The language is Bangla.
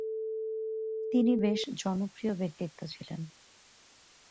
তিনি বেশ জনপ্রিয় ব্যক্তিত্ব ছিলেন।